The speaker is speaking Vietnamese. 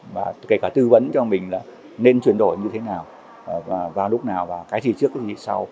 và kể cả tư vấn cho mình là nên chuyển đổi như thế nào vào lúc nào vào cái gì trước cái gì sau